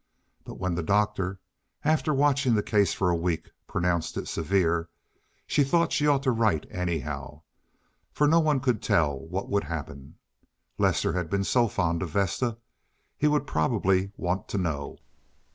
But when the doctor, after watching the case for a week, pronounced it severe, she thought she ought to write anyhow, for no one could tell what would happen. Lester had been so fond of Vesta. He would probably want to know.